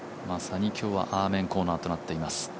まさに今日はアーメンコーナーとなっています。